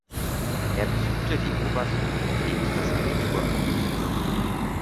Er besuchte die Oberschule und legte das Abitur ab.